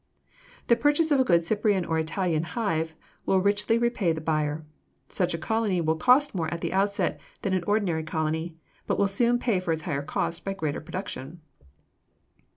The purchase of a good Cyprian or Italian hive will richly repay the buyer. Such a colony will cost more at the outset than an ordinary colony, but will soon pay for its higher cost by greater production.